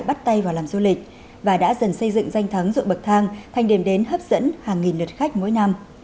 bắt tay vào làm du lịch và đã dần xây dựng danh thắng ruộng bậc thang thành điểm đến hấp dẫn hàng nghìn lượt khách mỗi năm